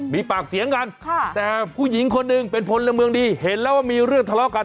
มีปากเสียงกันแต่ผู้หญิงคนหนึ่งเป็นพลเมืองดีเห็นแล้วว่ามีเรื่องทะเลาะกัน